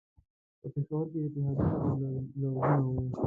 په پېښور کې اتحادونه او لوزونه وو.